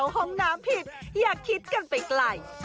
ห้องน้ำผิดอย่าคิดกันไปไกล